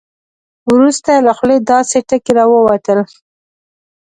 وروسته له خولې داسې ټکي راووتل.